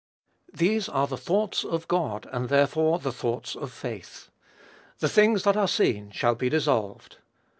These are the thoughts of God, and therefore the thoughts of faith. The things that are seen shall be dissolved.